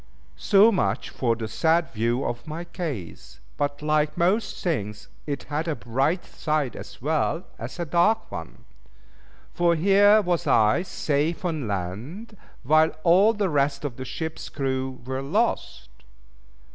So much for the sad view of my case; but like most things it had a bright side as well as a dark one. For here was I safe on land, while all the rest of the ship's crew were lost.